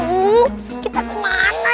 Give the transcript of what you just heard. aduh kita kemana